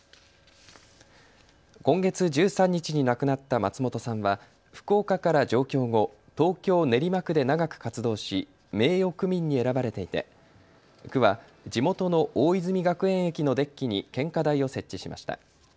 今月１３日に亡くなった松本さんは福岡から上京後東京練馬区で長く活動し名誉区民に選ばれていて区は地元の大泉学園駅のデッキに献花台を設置しました。